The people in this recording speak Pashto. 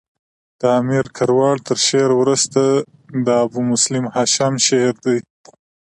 د امیر کروړ تر شعر وروسته د ابو محمد هاشم شعر دﺉ.